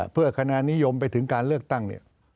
เพื่อคณะนิยมไปถึงการเลือกตั้งเนี่ย